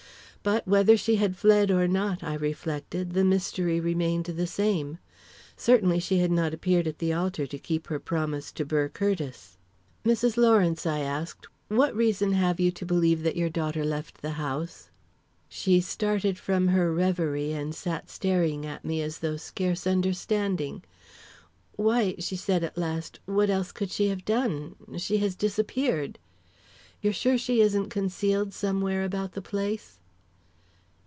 But whether she had fled or not, I reflected, the mystery remained the same. Certainly, she had not appeared at the altar to keep her promise to Burr Curtiss. "Mrs. Lawrence," I asked, "what reason have you to believe that your daughter left the house?" She started from her reverie, and sat staring at me as though scarce understanding. "Why," she said at last, "what else could she have done? She has disappeared " "You're sure she isn't concealed somewhere about the place?"